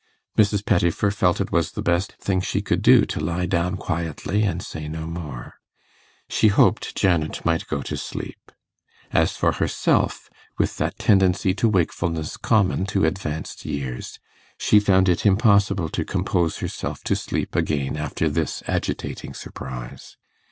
Mrs. Pettifer felt it was the best thing she could do to lie down quietly and say no more. She hoped Janet might go to sleep. As for herself, with that tendency to wakefulness common to advanced years, she found it impossible to compose herself to sleep again after this agitating surprise.